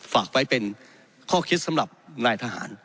ฝากไว้เป็นข้อคิดสำหรับนายทหาร